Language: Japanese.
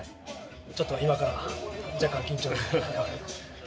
ちょっと今から若干緊張してます。